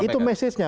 ya itu message nya